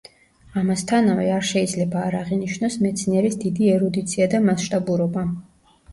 ამასთანავე არ შეიძლება არ აღინიშნოს მეცნიერის დიდი ერუდიცია და მასშტაბურობა.